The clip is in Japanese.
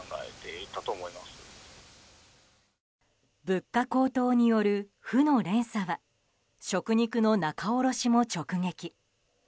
物価高騰による負の連鎖は食肉の仲卸も直撃。